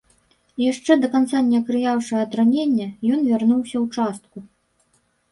Яшчэ да канца не акрыяўшы ад ранення, ён вярнуўся ў частку.